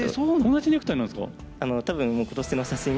同じネクタイなんですか？